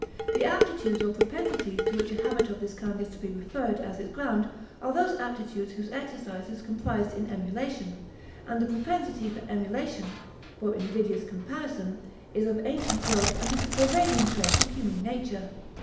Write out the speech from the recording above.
The aptitudes or propensities to which a habit of this kind is to be referred as its ground are those aptitudes whose exercise is comprised in emulation; and the propensity for emulation for invidious comparison is of ancient growth and is a pervading trait of human nature.